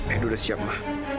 edo udah siap ma